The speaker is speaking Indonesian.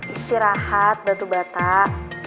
istirahat batu batak